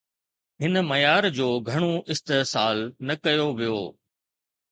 هن معيار جو گهڻو استحصال نه ڪيو ويو